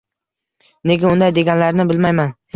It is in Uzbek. Nega unday deganlarini bilmayman.